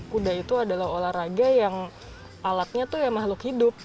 kuda itu adalah olahraga yang alatnya itu ya makhluk hidup